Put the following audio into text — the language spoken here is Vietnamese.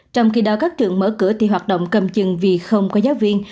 trong khi đó các trường mở cửa thì hoạt động cầm chừng vì không có giáo viên